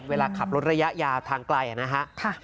เวลาขับรถระยะยาวทางไกลนะครับ